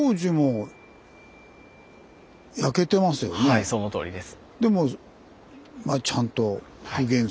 はいそのとおりです。